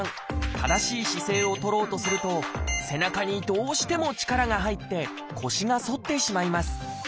正しい姿勢をとろうとすると背中にどうしても力が入って腰が反ってしまいます。